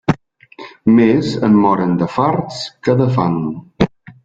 Més en moren de farts que de fam.